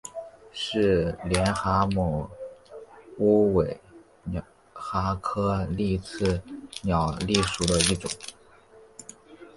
是帘蛤目鸟尾蛤科棘刺鸟蛤属的一种。